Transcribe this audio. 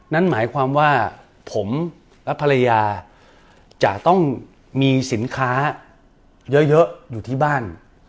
นั่นหมายความว่าผมและภรรยาจะต้องมีสินค้าเยอะอยู่ที่บ้าน